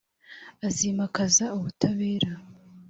azimakaza ubutabera